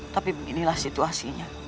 tapi beginilah situasinya